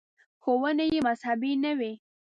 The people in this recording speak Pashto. • ښوونې یې مذهبي نه وې.